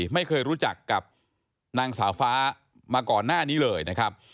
ไม่เคยรู้จักกับนางสาวฟ้ามาก่อนหน้านี้เลยนะครับ